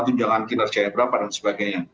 tunjangan kinerjanya berapa dan sebagainya